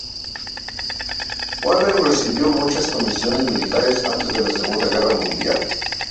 Wavell recibió muchas misiones militares antes de la Segunda Guerra Mundial.